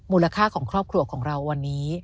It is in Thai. มูลค่าของครอบครัวของเราวันนี้